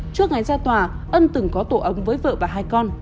trước ngày ra tòa ân từng có tổ ấm với vợ và hai con